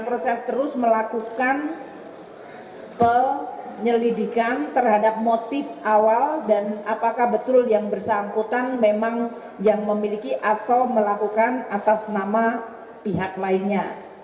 dan kita akan terus melakukan penyelidikan terhadap motif awal dan apakah betul yang bersamputan memang yang memiliki atau melakukan atas nama pihak lainnya